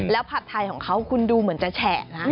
แล้วผัดไทยของเขาคุณดูเหมือนจะแฉะนะ